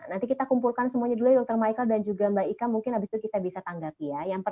nanti kita kumpulkan semuanya dulu dr michael dan juga mbak ika mungkin habis itu kita bisa tanggapi ya